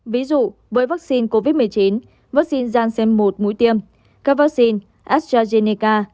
ví dụ với vắc xin covid một mươi chín vắc xin gian xem một mũi tiêm các vắc xin astrazeneca